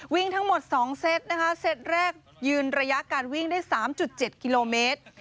วิ่งทั้งหมด๒เซตนะคะเซตแรกยืนระยะการวิ่งได้๓๗กิโลเมตร